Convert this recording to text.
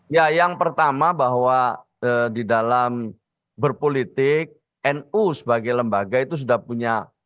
ya yang pertama bahwa di dalam berpolitik nu sebagai lembaga itu sudah punya